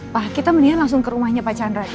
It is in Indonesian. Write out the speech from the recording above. pak kita mendingan langsung ke rumahnya pak chandra